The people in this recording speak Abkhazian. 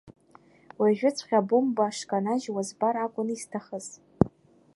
Уажәыҵәҟьа абомба шканажьуа збар акәын исҭахыз.